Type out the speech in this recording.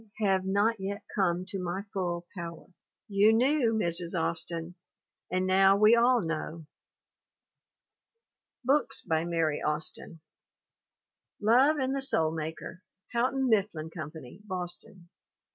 have not yet come to my full power." You knew, Mrs. Austin. And now we all know. BOOKS BY MARY AUSTIN Love and the Soul Maker, Houghton Mifflin Com pany, Boston.